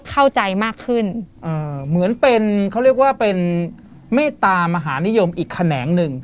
เข้าใจมากขึ้นเหมือนเป็นเขาเรียกว่าเป็นเมตตามหานิยมอีกแขนงหนึ่ง